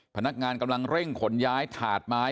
พนักงานกำลังเร่งขนย้ายถาดไม้